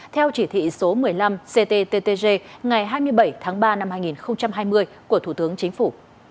theo chỉ thị số một mươi năm cttg ngày hai mươi bảy tháng ba năm hai nghìn hai mươi của thủ tướng chính phủ